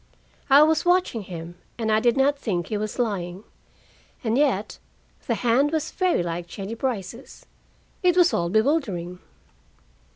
I was watching him, and I did not think he was lying. And yet the hand was very like Jennie Brice's. It was all bewildering.